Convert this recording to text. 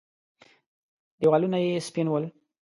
دېوالونه يې سپين ول.